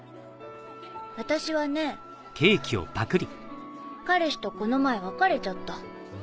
私はね彼氏とこの前別れちゃった。